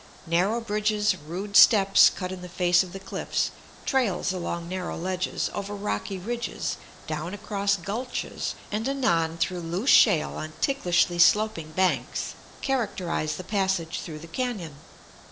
Narrow bridges, rude steps cut in the face of the cliffs, trails along narrow ledges, over rocky ridges, down across gulches, and anon through loose shale on ticklishly sloping banks, characterize the passage through the canon.